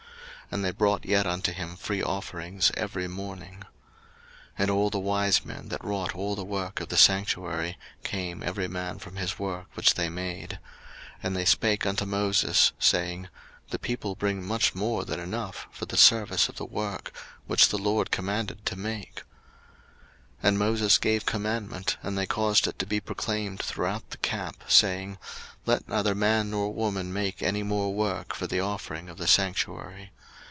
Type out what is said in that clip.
And they brought yet unto him free offerings every morning. 02:036:004 And all the wise men, that wrought all the work of the sanctuary, came every man from his work which they made; 02:036:005 And they spake unto Moses, saying, The people bring much more than enough for the service of the work, which the LORD commanded to make. 02:036:006 And Moses gave commandment, and they caused it to be proclaimed throughout the camp, saying, Let neither man nor woman make any more work for the offering of the sanctuary.